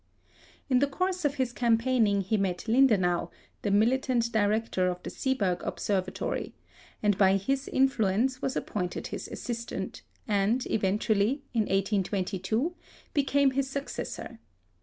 In the course of his campaigning he met Lindenau, the militant director of the Seeberg Observatory, and by his influence was appointed his assistant, and eventually, in 1822, became his successor.